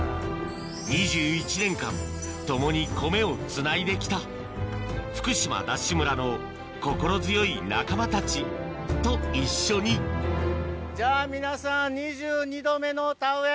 ２１年間共に米を繋いで来た福島ＤＡＳＨ村の心強い仲間たちと一緒にじゃあ皆さん２２度目の田植え